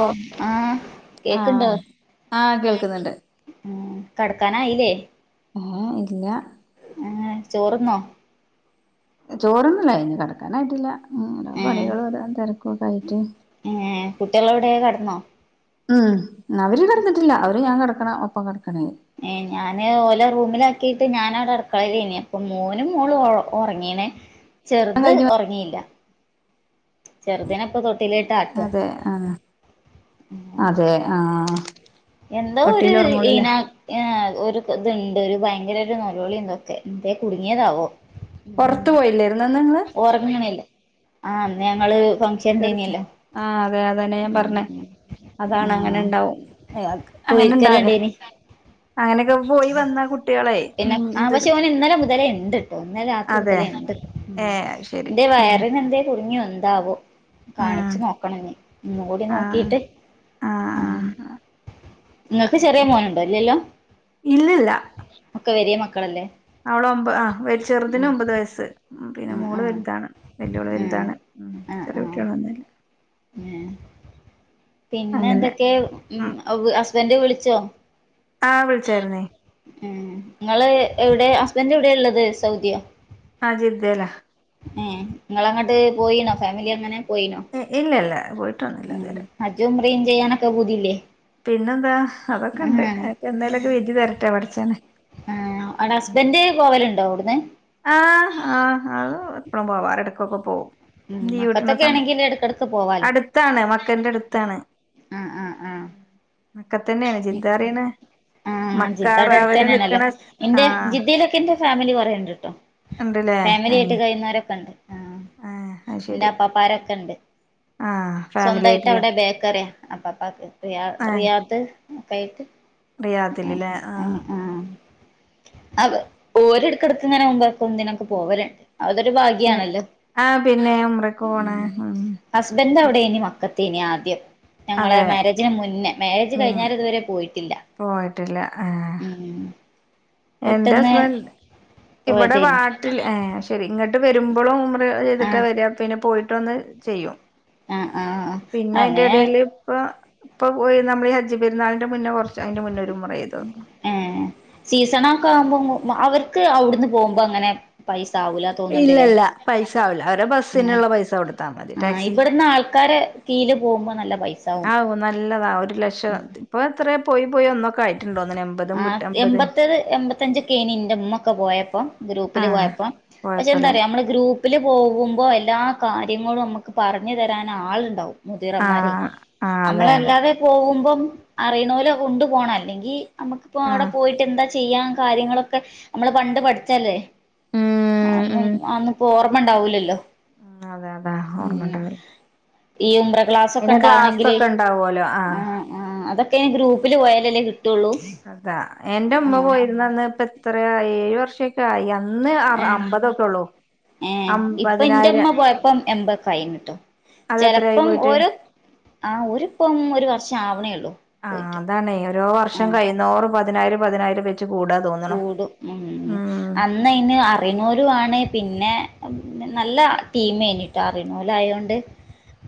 ഓഹ് ആഹ് കേക്ക്ണ്ടോ? ആഹ് ആഹ് കേൾക്കുന്നുണ്ട് ഉം കട്ക്കാനായീലേ ഓഹ് ഇല്ലാ ഏഹ് ചോറ്ന്നോ ചോറ്ന്ന്ണ് ഞ്ഞ് കെടെക്കാനായിട്ടില്ല ഓരോ ഏഹ് പണികളും ഓരോ തെരെക്കൊക്കായിട്ട് ഏഹ് കുട്ട്യാളെവിടെ കടന്നോ ഉം അവര് കെടന്നിട്ടില്ല അവര് ഞാൻ കെടക്ക്ണ ഒപ്പം കെടക്ക്ണെ ഏഹ് ഞാന് ഓലെ റൂമിലാക്കീട്ട് ഞാനവ്ടെ അട്ക്കളേലേനി അപ്പൊ മാേനും മോളും ഒ ഒറങ്ങീണ് [inaudible] ചെർത് കഴിഞ്ഞു ഒറെങ്ങീല്ല ചെർതിനെ ഇപ്പൊ തൊട്ടിലീട്ടാട്ടാ അതെ ആഹ് അതെ ആഹ് എന്തോ ഒര് തൊട്ടില് ഒറങ്ങോളൂല്ലേ ഈനാ ഒര് ത്ണ്ട് ഒര് ഭയങ്കരൊര് നൊലലോളിം തൊക്കെ ന്തേ കുട്ങ്ങ്യേതാവോ പാെറത്ത് പോയില്ലായ്ര്ന്നാേ ഇന്ന് ങ്ങെള് ആഹ് ഇന്ന് ഞങ്ങള് ഫംഗ്ഷ് കേറിക്ക് ആഹ് അതെ അതെന്നെ ഞാൻ പർഞ്ഞെ ഉം അതാണ് അങ്ങെനെണ്ടാവും അയാക്ക് കൂടിര്ക്കല്ണ്ടേയ്നി അങ്ങനെയൊക്കെ പോയി വന്ന കുട്ടികളെ പിന്നെ ഉം ആ ഇതൊരു പശെ ഓൻ ഇന്നലെ മുതലേ ഉണ്ട്ട്ടോ ഇന്നലെ രാത്രി അതെ മുതലേ ഉണ്ട് ഏഹ് അയ്ശരി എന്റെ ഉം വയറിനെന്തേ കുറിഞ്ഞു എന്താവോ ആഹ് കാണിച്ചു നോക്കണ ഇനി ഒന്നുകൂടി ആഹ് നോക്കീട്ട് ആഹ് ആഹ് ഇങ്ങക്ക് അയ്ശരി ചെറിയ മോനുണ്ടോ ഇല്ലല്ലോ ഇല്ലില്ല ഒക്കെ വെരിയ മക്കളല്ലേ അവള് ഒമ്പ ആഹ് വല ചെറുതിന് ആഹ് ഒമ്പത് വയസ്സ് ഉം പിന്നെ ആഹ് മോള് വലുതാണ് ആഹ് വല്യോള് ആഹ് വലുതാണ് ഉം ചെറിയ ആഹ് ആഹ് കുട്ടികളൊന്നൂല്ല ഉം അങ്ങനെ പിന്നെന്തൊക്കെയാ ഉം ഹസ്ബൻഡ് വിളിച്ചോ ആഹ് വിളിച്ചായിരുന്നേ ഉം നിങ്ങള് എവിടെ ഹസ്ബന്റ് എവിടെയാ ഉള്ളത് സൗദിയാ ആഹ് ജിദ്ദേലാ ഉം നിങ്ങളങ്ങോട്ട് പോയീനോ ഫാമിലി അങ്ങനെ പോയിണോ ഉം ഇല്ലില്ല പോയിട്ടൊന്നൂല്ല ഉം ഇതുവരെ ഹജ്ജും ഉംറേം ചെയ്യാനൊക്കെ പൂതീല്ലേ പിന്നെന്താ അതൊക്കെണ്ട് അതൊക്കെ എന്തേലൊക്കെ വിധി തരട്ടെ പടച്ചോനെ ആഹ് അവിടെ ഹസ്ബൻഡ് പോവലുണ്ടോ അവിടുന്ന് ആഹ് ആഹ് അത് എപ്പഴും പോവാറ് എടക്കൊക്കെ പോവും ഉം മക്കത്തൊക്കെ ആണെങ്കിൽ എടക്കടക്ക് പോവാലോ ത്താണ് മക്കന്റെ അടുത്താണ് ആഹ് ആഹ് ആഹ് മക്ക തന്നെയാണ് ജിദ്ദാറിയണ് ആഹ് ജിദ്ദാവ്ടെ അടുത്ത് തന്നെയാണല്ലോ ആ എന്റെ ജിദ്ദയിലൊക്കെ എന്റെ ഫാമിലി കൊറേയ്ണ്ട് ട്ടോ ഉണ്ടല്ലേ ആ ഫാമിലിയായിട്ട് കയിയുന്നവരൊക്കെ ഉണ്ട് ആഹ് ആ അത് എന്റെ ശരി അപ്പാപ്പാരൊക്കെ ഉണ്ട് ആഹ് ഫാമിലി ആയിട്ടില്ലേ സ്വന്തായിട്ടവിടെ ബേക്കറിയാ അപ്പപ്പാക്ക് റിയ ആഹ് റിയാദ് കയിക്ക് ആഹ് ആഹ് അവ് ഓരടുക്കടുത്ത് ഇങ്ങനെ മുമ്പൊക്കെ [unintelligible] പോവലുണ്ട് അതൊരു ഭാ എങ്ങനെ ആഹ് പിന്നെ ഉമ്രക്ക പോണേ ഉം ഹസ്ബൻഡവിടേനി മക്കത്തേനി ആദ്യം ഞങ്ങളെ അതെ മാരേജിന് മുന്നേ മാരേജ് കഴി ഉം തുവരെ പോയിട്ടില്ല പോയിട്ടില്ല ആഹ് ഉം എന്റെ പെട്ടെന്ന് ഹസ്ബൻഡ് ഇവിടെ പോയതേനി വാട്ടില് ആഹ് ശരി ഇങ്ങട്ട് വെരുമ്പളും ഉംറ ചെയ്തിട്ടാ ആഹ് വരാ പിന്നെ പോയിട്ടൊന്ന് ചെയ്യും ആഹ് ആഹ് പിന്നെ അങ്ങനെ അയിന്റെടേല് പ്പൊ പ്പൊ പോയിന്ന മ്മളി ഹെൽ ജ്ജ് പെരുന്നാളിന്റെ മുന്നേ കൊറച്ച് അയ്ന്റെ മുന്നൊരുമ്മ്രയ്തു ആഹ് സീസണൊക്കാവുമ്പോ അവർക്ക് അവിടുന്ന് പോവുമ്പോ അങ്ങനെ പൈസാവൂല തോ തോന്നുണ്ടില്ലേ ഇല്ലല്ല പൈസ ആവില്ല അവരെ ബസ്സിനുള്ള പൈസ കൊടുത്താ മതി ആഹ് ടാക്സി ഇവിടുന്നാൾക്കാര് തീല് പോവുമ്പോ നല്ല പൈസ ആവും നല്ലതാ ഒരു ലക്ഷം ത്തി ഇപ്പൊ എത്ര പോയി പോയി ഒന്നൊക്കെ ആയിട്ടുണ്ടോന്ന്ന്നെ നെ ആഹ് എമ്പത്തേഴ് എമ്പത്തഞ്ചെക്കെയായീന് ന്റുമ്മൊക്കെ പോയപ്പം ഗ്രൂപ്പില് ആഹ് പോയപ്പം പക്ഷെ കൊഴപ്പല്ല ന്താറിയോ മ്മള് ഗ്രൂപ്പ്‌ പ്പില് പോകുമ്പോ എല്ലാ കാര്യങ്ങളും നമ്മക്ക് പറഞ്ഞു തരാൻ ആള്ണ്ടാവും മുതീറന്മാരെ ആഹ് ആഹ് അതെ അതെ അമ്മളെയല്ലാതെ പോകുമ്പം അറീണോലെ കൊണ്ട് പോണം അല്ലെങ്കി അമ്മക്കിപ്പോ അവടെ ആഹ് പോയിട്ടെന്താ ചെ യ്യാൻ കാര്യങ്ങളൊക്കെ അമ്മള് പണ്ട് പഠിച്ചയല്ലേ ഉം അന്ന് അന്നപ്പോ ഓർമ്മ ണ്ടാവൂലല്ലോ? ആഹ് അതെ അതെ ഓർമ്മണ്ടാവില്ല ഈ ഉംറ ക്ലാസൊക്കെണ്ടാവണമെങ്കില ഒക്കെ ഉണ്ടാവുമല്ലോ ആഹ് ആഹ് അതൊക്കെ ഗ്രൂപ്പില് പോയാലല്ലേ കിട്ടൊള്ളൂ അതാ എന്റെ അമ്മ പോയിരുന്നന്ന് ഇപ്പത്രെയായി ഏഴ് വർഷ ക്കായി. അന്ന് അറ് ഏ അമ്പതൊക്കൊള്ളൂ ഏഹ് ഇപ്പം ഇന്റെമ്മ പോയപ്പം എമ്പതൊകായിഞ്ഞ്ട്ടോ. അതെത്രയായി ചെലപ്പം പോയിട്ട് ഒരു ആഹ് ഓരിപ്പം ഒരു വർഷാവ്ണേയൊള്ളൂ ആഹ് അതാണെയ്. ഓരോ വർഷം കൈയുന്തോറൂം പതിനായിരം പതിനായിരം വെച്ച് കൂടാ തോന്ന് കൂടും. ഹ്മ്മ് അന്ന് അന്ന് ഇഞ്ഞേ അറിണോലു ആണ്. പിന്നെ നല്ല ടീമേഞ്ഞിട്ടോ അറിണോലായോണ്ട് [inaudible]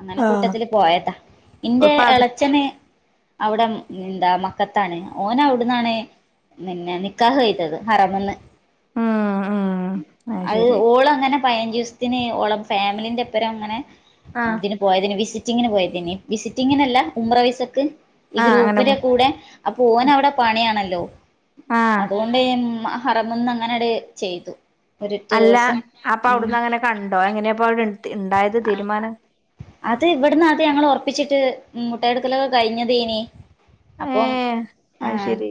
അങ്ങനെ ആഹ് കൂട്ടത്തില് പോയതാ. ഇന്റെ ഇപ്പ അത് എളച്ചന് അവിടം എന്താ മക്കത്താണ്. ഓന് അവിട്ന്നാണ് പിന്നെ നിക്കാഹ് കഴിഞ്ഞത് ഹറമിന്ന്. ഉം ഉം അത് ശരി ഓളങ്ങനെ പയിനഞ്ചിസത്തിന് ഓളെ ഫാമിലിന്റെപ്പരം ഇങ്ങനെ ആഹ് ഇതിന് പോയതെനി വിസിറ്റിങ്ങിന് പോയതിന്. വിസിറ്റിങ്ങിനല്ല ഉമ്പ്ര വിസക്ക്‌ ഈ ആഹ് അങ്ങനെ പോ ഗ്രൂപ്പിന്റെ കൂടെ അപ്പോ ഓനവിടെ പണിയാണല്ലോ. ആഹ് അതുകൊണ്ട് ആഹ് ഹറമ്ന്ന് അങ്ങനെട് ചെയ്തു. ഒരൊറ്റ അല്ല ദിവസം അപ്പ ഉം അവുട്ന്ന് അങ്ങനെ കണ്ടോ എങ്ങനെപ്പൊ അവ്ട് ഇണ്ടായത് തീരുമാനം അത് ഇവട്ന്ന് അദ്യം ഞങ്ങള് ഒറപ്പിച്ചിട്ട് മുട്ടായൊടുക്കലൊക്കെ കഴിഞ്ഞതേഞ്ഞി അപ്പം ഏഹ് അത് ഏഹ് ശരി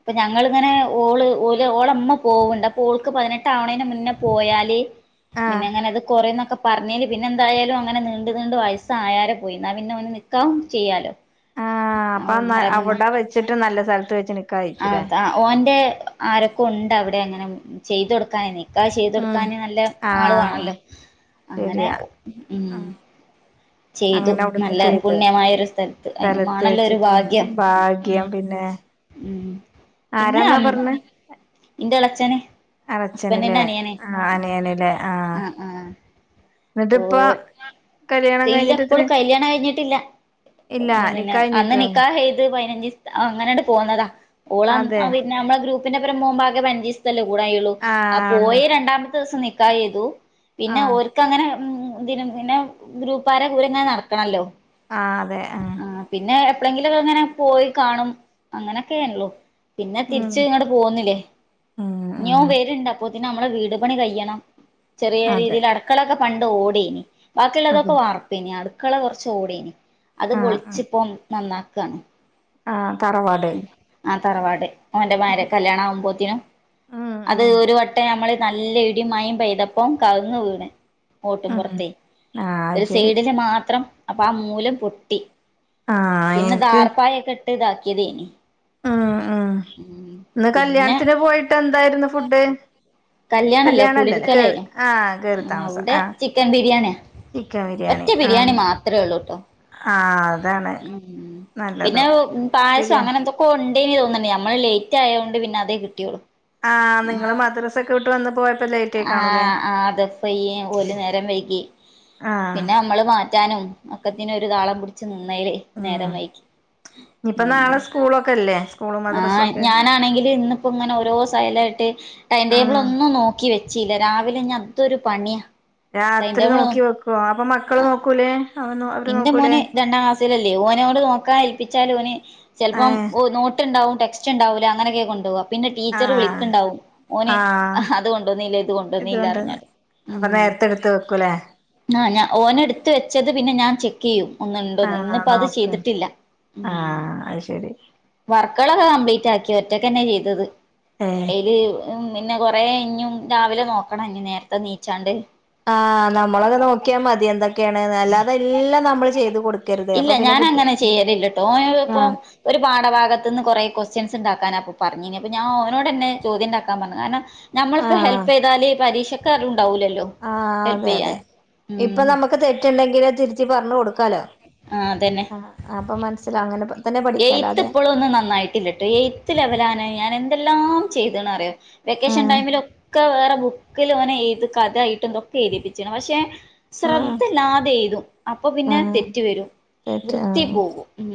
അപ്പം ഞങ്ങളിങ്ങനെ ഓള് ഓല് ഓളമ്മ പോവ്ണ്ട് അപ്പൊ ഓൾക്ക് പതിനെട്ടാവുന്നതിന്റെ മുന്നേ പോയാല് ആഹ് പിന്നെങ്ങനെ ഇത് കൊറിംന്നൊക്കെ പറഞ്ഞിനിപിന്നെന്തായാലും ഇങ്ങനെ നീണ്ട് നീണ്ട് വയസ്സായാരെ പോയി ഇന്നാ പിന്നെ ഓന് നിക്കാഹും ചെയ്യാലോ അപ്പ ന്നാ മുഹറമ്ന്ന് അവടെ വെച്ചിട്ട് നല്ല സ്ഥലത്ത് വെച്ച് നി അതാ ഓന്റെ ആരൊക്കൊണ്ടവിടെ അങ്ങനെ ചെയ്തൊടുക്കാനയന് നിക്കാഹ് ഉം ചെയ്തൊടുക്കാന് നല്ല ആഹ് ആളുവാണല്ലോ അങ്ങനെ ശരിയാ ഓ ഹ്മ്മ് ആ ചെയ്തു. അങ്ങനെ അവിടുന്ന് നല്ല ചെയ്ത് പുണ്യമായ ഒരു സ്ഥലത്ത് അതിനമാണല്ലോ ഒരു വെച്ചിട്ടില്ലേ ഭാഗ്യം. ഹ്മ്മ് ഭാഗ്യം പിന്നെ [inaudible] ആരാന്നാ പറഞ്ഞെ എളച്ചന് എളച്ഛന് ലേ ഹസ്ബൻഡിന്റെ അനിയന് ആഹ് അനിയന്ലേ ആഹ് ന്ന്ട്ട് ഓ പ്പാ ഇല്ല ഇപ്പളും കല്യാണം കയിഞ്ഞിട്ടില്ല. ഇല്ല പിന്നെ നിക്കാഹ് അന്ന് കഴിഞ്ഞിട്ടേള്ളൂ നിക്കാഹെയ്ത് പതിനഞ്ചി അങ്ങനാട്ട് പോന്നതാ. ഓളാമ് അതെ പിന്നെ നമ്മളളെ ഗ്രൂപ്പിന്റെപ്പരം പോകുമ്പോ ആകെ പയിനൻഞ്ചിസ് സല്ലേകൂടായൊള്ളൂ. ആ ആഹ് ഉണ്ട് പോയി രണ്ടാമത്തെ ദിവസം നിക്കാഹെയ്തു പിന്നെ ആഹ് ഓൽക്കങ്ങനെ ഇതിന് ഇങ്ങനെ ഗ്രൂപ്പാരെ കൂടെങ്ങനെ നടക്കണല്ലോ ആഹ് അതെ ആഹ് ആഹ് പിന്നെ എപ്പളെങ്കിലൊക്കങ്ങനെ പോയി കാണും. അങ്ങനൊക്കെള്ളു. പിന്നെ ഉം തിരിച്ച് ഇങ്ങട്ട് പോന്നില്ലേ. ഉം ഇനി ഉം ഓൻ വരണ്ട് അപ്പോത്തിന് നമ്മടെ വീട് പണി കയ്യണം ചെറിയ അതെ രീതിയിൽ. അടുക്കളൊക്കെ പണ്ട് ഓടെനി ബാക്കിള്ളതൊക്കെ അതെ വാർ പ്പെനി. അടുക്കള കൊറച്ച് ഓടെനി. അത് ആഹ് ആഹ് പൊളിച്ചിപ്പം നന്നാക്കാണ് ആഹ് തറവാട് ആഹ് തറവാട്. ഉം ഓന്റെമാരെ കല്യാണാവുമ്പോത്തിനും, അത് ഉം ഒരു വട്ടെ നമ്മള് നല്ല ഇടിം മഴിം പെയ്തപ്പം കവുങ്ങ് വീണ്. ഓട്ടും ഉം പൊർത്തേ ആഹ് അത് ഒരു ശരി സൈഡിന്റെ മാത്രം അപ്പം ആ മൂലം പൊട്ടി ആഹ് പിന്നെ എനിക്ക് ധാർപ്പായൊക്കെ ഇട്ട് ഇതാക്കിയതേനി. ഹ്മ്മ്, ഹ്മ്മ്, ഉം ഇന്ന് പിന്നെ കല്യാണത്തിന് പോയിട്ട് എന്തായിരുന്നു ഫുഡ് കല്യാണല്ല കല്യാണല്ലേ കേറി കുടിരിക്കലേനു ആഹ് കേറി താമസം അവിടെ ആഹ് ചിക്കൻ ബിരിയാണിയാ ചിക്കൻ ബിരിയാണി ആഹ്. ത്രൊള്ളൂട്ടോ ആഹ് അതാണ് ഹ്മ്മ്, പിന്നെ നല്ലതും പായസം ബിരിയാണി അങ്ങനെന്തൊക്കോ ക്കോ ഇണ്ടായിനി തോന്ന്ണ് നമ്മള് ലേറ്റായോണ്ട് പിന്നെ അതേ കിട്ടിയൊള്ളൂ. ആഹ് നിങ്ങള് മദ്റസ് ആഹ് ആഹ് അതെ ഹോയ്യിം ഓല് നേരം വൈകി ആഹ് പിന്ന നമ്മള് മാറ്റാനും ഒക്കത്തിനും ഒരു താളം പിടിച്ച് നിന്നയില് നേരം വൈകി ഇനിപ്പോ ഉം നാളെ സ്കൂളൊക്കെ ഇല്ലേ ആഹ് ഞാനാണെങ്കില് ഇന്നിപ്പോ ഇങ്ങനെ ഓരോ സൈലായിട്ട് ടൈം ടേബിൾ ആഹ് ഒന്നും നോക്ക ക്കി വെച്ചീല്ല രാവിലെ ഇനി അതൊരു പണിയാ ടൈം രാത്രി ടേബിൾ നോക്കി വെക്കുവ അപ്പൊ മക്കള് നോക്കൂലേ അവ അവര് ഇന്റെ നോക്കൂലേ മോന് രണ്ടാം ക്ലാസിലല്ലേ ഓനോട് നോക്കാ ഏൽപ്പിച്ചാൽ ഓന് ചെൽപോ ഏഹ് ഒന് നോ ട്ടണ്ടാവും ടെക്സ്റ്റ് ഇണ്ടാവുല്ല അങ്ങനൊക്ക കൊണ്ട്പോക പിന്നെ ടീച്ചർ ആഹ് വിളിക്കണ്ടാവും ഓന് ആഹ് അത് കൊണ്ടോന്നില്ല ഇത് കൊണ്ടൊന്നില്ല ഇതുകൊണ്ടന്നെ അറിഞ്ഞാട്ട് അപ്പൊ നേരത്തെടുത്ത് വെക്കും ആഹ് ഞാൻ ഓന് എടുത്ത് വെച്ചത് പിന്നെ ഞാൻ ചെക്ക് ചെയ്യും ഒന്ന ഇണ്ടോന്ന് ആഹ് ഇന്നിപ്പ അത് നോക്ക് ചെയ്തിട്ടില്ല ഉം ആഹ് അത് ശരി വാർകള്ളൊക്കെ കോംപ്ലിറ്റക്കി ഒറ്റക്കന്നെ ചെയ്തത് ഏഹ് അയില് പിന്നെ കുറേ ഇഞ്ഞും രാവിലെ നോക്കണം ഇഞ്ഞ് നേരത്തെ നീച്ചാണ്ട് ആഹ് നമ്മളക്കെ നോക്കിയാ മതി എന്തൊക്കെയാണ് അല്ലാതെ എല്ലാം നമ്മള് ചെയ്ത് കൊടു ഇല്ല ഞാനങ്ങനെ ചെയ്യലില്ല ഓന് അത് ഇപ്പോം ആഹ് ഒരു പാഠഭാഗത്ത്ന്ന് കൊറെ കൊസ്റ്റ്യൻസ് ഉണ്ടാക്കൻ അപ്പൊ പറഞ്ഞിനി അപ്പൊ ഞാൻ ഓനോട്ന്നെ ചോദ്യം ഉണ്ടാക്കാൻ പറഞ്ഞു കാരണം നമ്മളിപ്പോ ആഹ് ഹെൽപ് ചെയ്താല് പരീക്ഷക്ക് അതും ഇണ്ടാവൂല്ലല്ലോ ആഹ് അതെ അതെ ഇപ്പൊ നമുക്ക് തെറ്റുണ്ടെങ്കില് തിരുത്തി പറഞ്ഞ് കൊടുക്കാലോ ആഹ് അതന്നെ ആഹ് അപ്പൊ മനസ്സിലും അങ്ങനെ പറ എയ്ത്ത് ഇപ്പളും ഒന്നും നന്നായിട്ടില്ലട്ടോ എയ്ത്ത് ലെവലാന് ഞാൻ എന്തെല്ലാം ചെയ്ത അറിയോ വെക്കേഷൻ ആഹ് ടൈമിലൊ ഒക്കെ വേറെ ബുക്കിൽ ഓനെ ഏത് കഥ ആയിട്ടും ഒക്കെ എയുതിപ്പിച്ചാണ് പക്ഷെ ആഹ് ശ്രദ്ധല്ലാതെ എയ്തും അപ്പൊ പിന്നെ ആഹ് തെറ്റ് വരും കേട്ട് വൃത്തി ആഹ് പോകും ഉം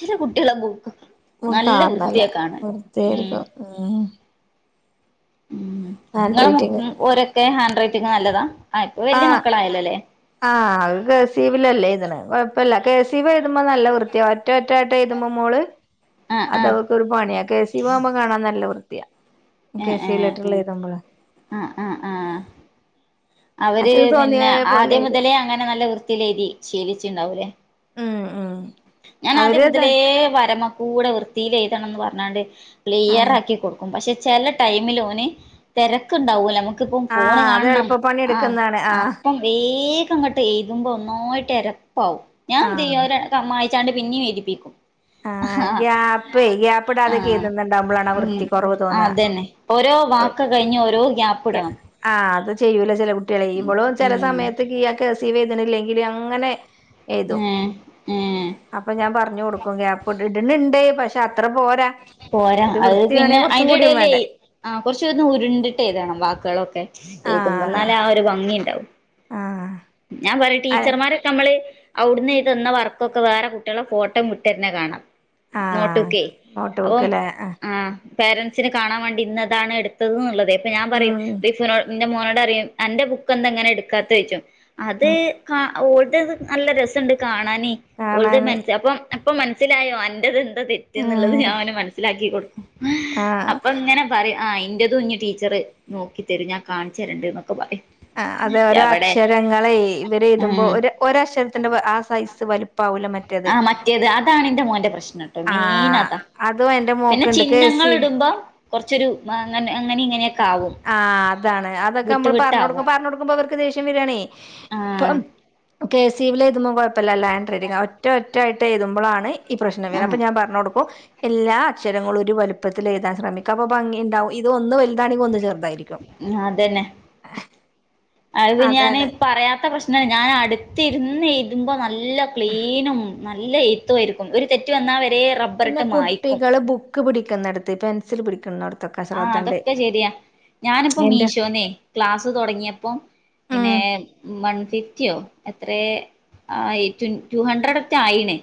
ചില കുട്ടികളെ ബുക്ക് ഉം നല്ല കാരണല്ല വൃത്തിയാ കാണാൻ വെറുതെ ഉം എഴുതും ഉം ഉം ഹാൻഡ് നിങ്ങളെ റൈറ്റിംഗ് മം ഒരൊക്കെ ഹാൻഡ് റൈറ്റിംഗ് നല്ലതാ ഇപ്പൊ വലിയ ആഹ് മക്കളായാലല്ലേ ആഹ് അത് കെ സീവിലല്ലേ എഴുതണ് കൊഴപ്പില്ല കെ സി വി എഴുതുമ്പോ നല്ല വൃത്തിയോ ഒറ്റ ഒറ്റായിട്ട് എഴുതുമ്പ മോള് ആ ആ അത് ഓൾക്കൊരു പണിയാ കെ സി വ് ആകുമ്പ കാണാൻ നല്ല വൃത്തിയ ഏ കെ സി ലെറ്ററില് എഴുതുമ്പഴ ആഹ് അവര് മറ്റേത് തോന്നിയ പിന്ന പോലെ ആദ്യം എഴുതും മുതലേ അങ്ങനെ നല്ല വൃത്തിയില് എഴുതി ശീലിച്ചിണ്ടാവുല്ലേ ഉം ഉം ഞാൻ ആദ്യം അവര്ത് മുതലേ വരമക്കൂടെ വൃത്തിയില്‌ എഴുതണന്ന് പറഞ്ഞാണ്ട്. ക്ലിയർ ആഹ് ആക്കി കൊടുക്കും, പക്ഷെ ചെല ടൈമിൽ ഓന് തിരക്കുണ്ടാവുല്ലോ നമുക്ക് ഇൻക്ക് ഇപ്പോ ഫോണ് ആഹ് അത് കാണണം എളുപ്പപ്പണി ആഹ് എടുക്കുന്നതാണ് ആഹ് അപ്പം വേഗം ഇങ്ങിട്ട് എഴുതുമ്പോ ഒന്നായിട്ട് എരപ്പാവും ഞാൻ എന്ത് ആഹ് ചെയ്യാ ഒര് ക്ക, മായിച്ചാണ്ട് പിന്നെയും എഴുതിപ്പിക്കും. ആഹ് ഗ്യാപ്പേ ഗ്യാപ്പിടാതെക്കെ ആഹ് എഴുതുന്നുണ്ടാവുമ്പളാണ് ആ ഉം വൃത്തി കൊറവ് തോന്നാ അതന്നെ ഓരോ വാക്ക് കഴിഞ്ഞ് ഓരോ ഗ്യാപ്പ് ഇടണം. ആഹ് അത് ചെയ്യൂല ചില കുട്ടികളെ ഉം ഇവളും ചെല ഉം സമയത്ത് കിഴ കെ സീ വ് എഴുത്‌ണില്ലെങ്കിൽ അങ്ങനെ എഴുതും ഏഹ് ഏഹ് അപ്പൊ ഞാൻ പറഞ്ഞു കൊടുക്കും ഗ്യാപ്പ് ഇട്, ഇടണണ്ട് പക്ഷെ അത്ര പോരാ പോരാ ഒരു അത് വൃത്തി വേണേ പിന്നെ കുറച്ചും അയിന്റെ കൂടിയും ഇടലേ വേണ്ടേ ആഹ് കുറച്ചു ഉരുണ്ടിട്ട് എഴ്തണം വാക്കുകളൊക്കെ എഴുതുമ്പോ ആഹ് അതെ എന്നാലേ ആ ഒരു ഭംഗി ഉണ്ടാവു. ആഹ് ഞാൻ പറിം ആഹ് ടീച്ചർമാര് കെ, നമ്മള് അവിടുന്ന് ചെയ്തന്ന വർക്കൊക്കെ വേറെ കുട്ടികളെ ഫോട്ടോയും വിട്ട് തരണത് കാണാം. ആഹ് നോട്ടുക്കെ നോട്ട് അപ്പോം ബുക്കല്ലേ ആഹ് പേരന്റ്സിന് കാണാൻ വേണ്ടി ഇന്നതാണ് എടുത്തത് എന്നുള്ളത് അപ്പോ ഞാൻ പറയും ഉം റിഷുനോട് എന്റെ മോനോട് പറെം അന്റെ ബുക്ക് എന്താ ഇങ്ങനെ എടുക്കാത്ത ചോയ്ച്ചും അത് ഉം കാ ഓൽത് നല്ല രസണ്ട് കാണാൻ ഓൽത് കാണാന് മനസ് അപ്പം ഇപ്പോ മനസ്സിലായോ അന്റെത് എന്താ തെറ്റ് എന്നുള്ളത് ആഹ് ഞാൻ അവന് മനസ്സിലാക്കി കൊടുക്കും. അപ്പൊ ഇങ്ങനെ പറെം ആ ഇന്റെതും ഇഞ്ഞ് ടീച്ചർ നോക്കി തരും, ഞാൻ കാണിച്ച് തരണ്ട് എന്നൊക്കെ പറയും. ആ അതെ ഓരോ എവിടെ അക്ഷരങ്ങളെ ഇവരെ എഴുതുമ്പോൾ ഉം ഒര ഒരക്ഷരത്തിന്റെ ആ സൈസ് സ് വലിപ്പാവില്ല മ ആഹ് മറ്റേത് അതാണ് എന്റെ മോന്റെ പ്രശ്നം. ആഹ് മെയിനതാ അതും എന്റെ പിന്നെ മോക്ക്ണ്ട് കെ ചിഹ്നങ്ങൾ സി ഇടുമ്പോ, കുറച്ചൊരു അങ്ങനെ ഇങ്ങനെ ആഹ് അതാണ് അതൊക്കെ നമ്മള് പറഞ്ഞ വിട്ടാവും കൊടുക്കും പറഞ്ഞൊടുക്കുമ്പോ അവർക്ക് ദേഷ്യം വരാണ്. ആഹ് ഇപ്പം കെഴ്സിവിൽ എഴുതുമ്പോ കുഴപ്പമില്ല നല്ല ഹാൻഡ് റൈറ്റിങാ, ഒറ്റ ഒറ്റായിട്ട് എഴുതുമ്പോഴാണ് ഈ പ്രശ്നം വരുക, അപ്പോ ആഹ് ഞാൻ പറഞ്ഞ് കൊടുക്കും എല്ലാ അക്ഷരങ്ങളും ഒരു വലുപ്പത്തിൽ എഴുതാൻ ശ്രമിക്ക, അപ്പോ ഭംഗി ഉണ്ടാവും, ഇത് ഒന്ന് വലുതാണെങ്കി ഒന്ന് ചെറുതായിരിക്കും. ചെർതായിരിക്കും അതന്നെ അത് പിന്നെ ഞാന് അതാണ് പറയാത്ത പ്രശ് ഞാൻ അ അടുത്തിരുന്ന് എഴുതുമ്പോൾ നല്ല ക്ലീനും നല്ല എഴുത്തും ആയിരിക്കും ഒരു തെറ്റ് വന്നാൽ വരെ റബ്ബ പിന്നെ കുട്ടികള് ബുക്ക് പിടിക്കുന്നിടത്ത് പെൻസിൽ പിടിക്കുന്നിടത്ത് ആഹ് അതൊക്കെ ശരിയാ ഞാനിപ്പോ എന്റെ മീഷോന്ന് ക്ലാസ് തുടങ്ങിയപ്പോ പിന്നെ ഉം വൺ ഫിഫ്റ്റിയോ എത്ര ആഹ് ടു ഹൺഡ്രഡറ്റെ ആയിണ്.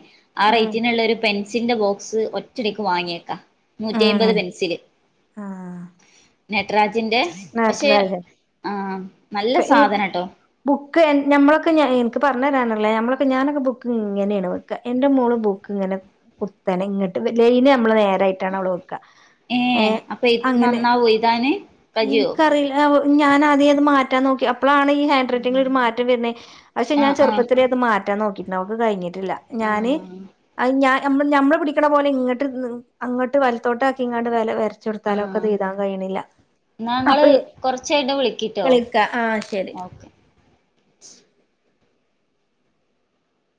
ആ ഉം റേറ്റിനുള്ള ഒരു പെൻസിലിന്റെ ബോക്സ് ഒറ്റടിക്ക് വാങ്ങിയേക്കാ, നൂറ്റി ഉം അഴ്മ്പത് പെൻസില് ആഹ് നട്ട്രാജിന്റെ പക്ഷേ നടരാജൻ ആ നല്ല ഇ സാധനം കേട്ടോ. ബുക്ക് നമ്മളൊക്കെ ഞാ എനിക്ക് പറഞ്ഞ് തരാനറില്ല, ഞമ്മളക്കെ ഞാനൊക്കെ ബുക്ക് ഇങ്ങനെയാണ് വെ എന്റെ മോള് ബുക്ക് ഇങ്ങനെ കുത്തനെ ഇങ്ങോട്ട് ലൈന് നമ്മളെ നേരായിട്ടാണ് അവള് വെക്ക. ഏ അപ്പൊ അങ്ങനെ നന്നാവോ എഴുതാന്. കജ്ജോ എനിക്കറിയില്ല ഞാനാദ്യ അത് മാറ്റാൻ നോക്കി. അപ്പോളാണ് ഈ ഹൻഡ്റൈറ്റിംഗിൽ ഒരു മാറ്റം വരുന്നത് പക്ഷെ ഞാൻ ആഹ് ആഹ് ചെുപ്പത്തിലേ അത് മാറ്റാൻ നോക്കിട്ടുണ്ട് അവൾക്ക് കഴി ട്ടില്ല ഞാന് ആഹ് ആ ഞാൻ നമ്മ നമ്മള് പിടിക്കണ പോലെ ഇങ്ങട്ട് അങ്ങട്ട് വലത്തോട്ടാക്കിക്കാണ്ട് വര വരച്ചെടുത്താലൊക്കത് എഴുതാൻ കഴിണില്ല. ന്നാ ങ്ങള് കൊറച്ച് കഴിഞ്ഞിട്ട് വിളിക്കിട്ടോ വിളിക്ക ആ ശരി ഓക്കെ.